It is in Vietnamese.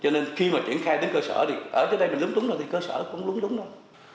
cho nên khi mà triển khai đến cơ sở thì ở đây mình lúng túng thôi thì cơ sở cũng lúng túng thôi